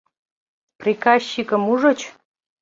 — Прикащикым ужыч?